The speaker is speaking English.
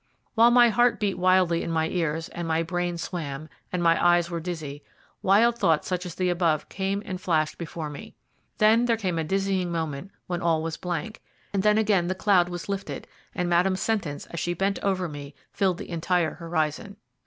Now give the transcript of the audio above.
While my heart beat wildly in my ears, and my brain swam, and my eyes were dizzy, wild thoughts such as the above came and flashed before me. Then there came a dizzy moment when all was blank, and then again the cloud was lifted, and Madame's sentence as she bent over me filled the entire horizon.